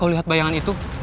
kau lihat bayangan itu